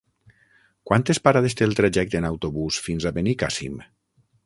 Quantes parades té el trajecte en autobús fins a Benicàssim?